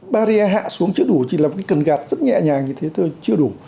barrier hạ xuống đủ chỉ là một cái cần gạt rất nhẹ nhàng như thế thôi chưa đủ